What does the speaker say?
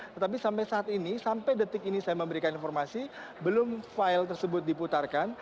tetapi sampai saat ini sampai detik ini saya memberikan informasi belum file tersebut diputarkan